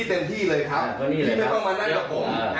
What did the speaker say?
ตอนนี้พี่อ่านก่อน